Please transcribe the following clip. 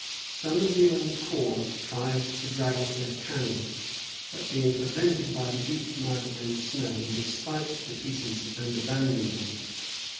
Some of the corps tried to drag off their cannon; but being prevented by the deep mud and snow they spiked the pieces and abandoned them.